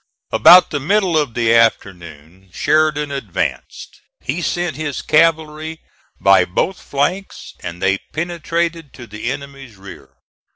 About the middle of the afternoon Sheridan advanced. He sent his cavalry by both flanks, and they penetrated to the enemy's rear.